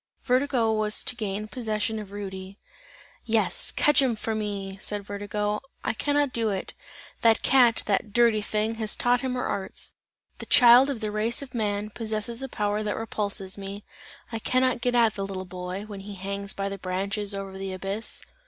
Vertigo was to gain possession of Rudy. "Yes, just catch him for me" said Vertigo. "I cannot do it! The cat, the dirty thing, has taught him her arts! The child of the race of man, possesses a power, that repulses me; I cannot get at the little boy, when he hangs by the branches over the abyss.